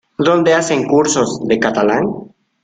¿Dónde hacen cursos de catalán?